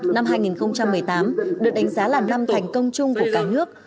năm hai nghìn một mươi tám được đánh giá là năm thành công chung của cả nước